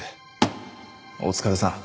お疲れさん。